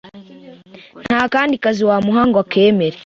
nta kandi kazi wamuha ngo akemere